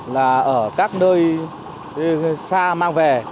là ở các nơi xa mang về